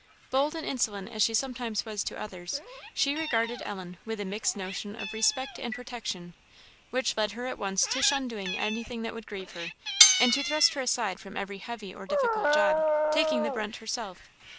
Bold and insolent as she sometimes was to others, she regarded Ellen with a mixed notion of respect and protection, which led her at once to shun doing anything that would grieve her, and to thrust her aside from every heavy or difficult job, taking the brunt herself.